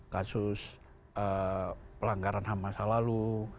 kasus pelanggaran ham masa lalu